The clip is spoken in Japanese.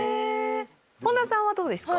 本田さんはどうですか？